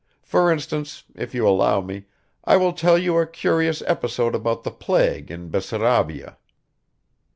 For instance, if you allow me, I will tell you a curious episode about the plague in Bessarabia."